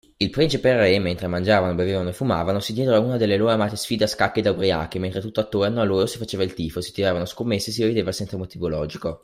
Il principe e il re, mentre mangiavano, bevevano e fumavano, si diedero ad una delle loro amate sfide a scacchi da ubriachi, mentre tutt’attorno a loro si faceva il tifo, si tiravano scommesse e si rideva senza motivo logico.